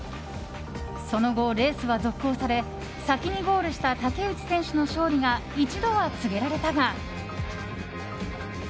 その後レースは続行され先にゴールした竹内選手の勝利が一度は告げられたが。